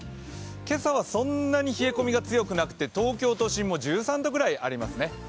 今朝はそんなに冷え込みが強くなくて東京都心も１３度ぐらいありますね。